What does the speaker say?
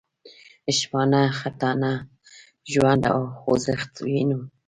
شپانه، خټبانه، ژوند او خوځښت وینم.